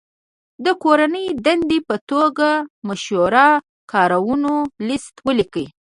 د کورنۍ دندې په توګه مشهورو کارونو لست ولیکئ.